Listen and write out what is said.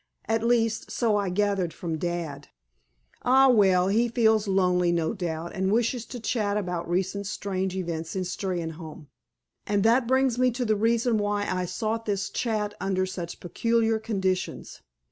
At least, so I gathered from dad." "Ah, well. He feels lonely, no doubt, and wishes to chat about recent strange events in Steynholme. And that brings me to the reason why I sought this chat under such peculiar conditions.